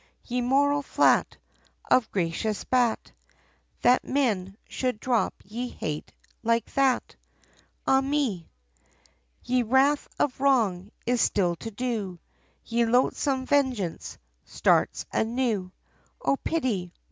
Ye moral flat, Of gracious bat, That men, should drop ye hate, like that Ah! me. YE wrath of wrong, is still to do, Ye loathsome vengeance, starts anew, O pity!